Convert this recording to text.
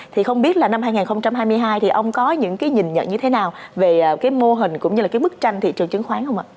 thì không biết là năm hai nghìn hai mươi hai thì ông có những cái nhìn nhận như thế nào về cái mô hình cũng như là cái bức tranh thị trường chứng khoán không ạ